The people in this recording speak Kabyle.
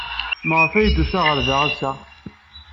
Maɣef ay d-tusa ɣer da ass-a?